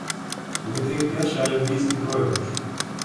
Гэта іх першы алімпійскі пройгрыш.